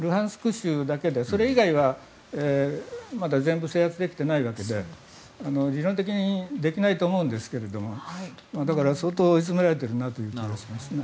州だけでそれ以外はまだ全部制圧できていないわけで理論的にできないと思うんですがだから相当、追いつめているなということですね。